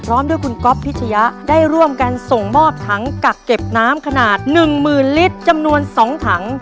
พร้อมด้วยคุณก๊อฟพิชยะได้ร่วมกันส่งมอบถังกักเก็บน้ำขนาด๑๐๐๐ลิตรจำนวน๒ถัง